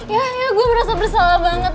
ya ya gue merasa bersalah banget